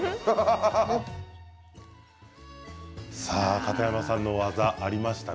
片山さんの技ありましたね。